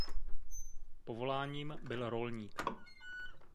Povoláním byl rolník.